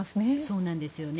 そうなんですよね。